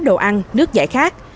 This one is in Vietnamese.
đồ ăn nước giải khác